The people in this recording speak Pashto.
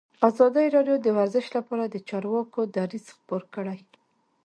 ازادي راډیو د ورزش لپاره د چارواکو دریځ خپور کړی.